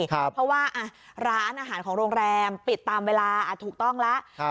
เพราะว่าร้านอาหารของโรงแรมปิดตามเวลาถูกต้องแล้ว